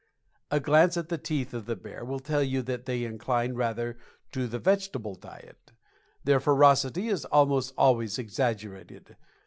A glance at the teeth of the bear will tell you that they incline rather to the vegetable diet. Their ferocity is almost always exaggerated.